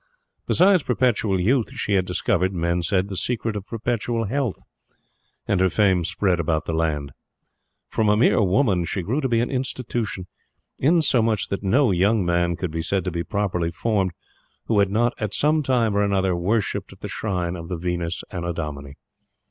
Besides perpetual youth, she had discovered, men said, the secret of perpetual health; and her fame spread about the land. From a mere woman, she grew to be an Institution, insomuch that no young man could be said to be properly formed, who had not, at some time or another, worshipped at the shrine of the Venus Annodomini.